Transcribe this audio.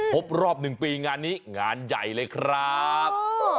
พบรอบหนึ่งปีงานนี้งานใหญ่เลยครับอ๋อ